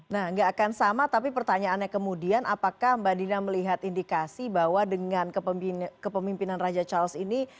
nah nggak akan sama tapi pertanyaannya kemudian apakah mbak dina melihat indikasi bahwa dengan kepemimpinan raja charles ini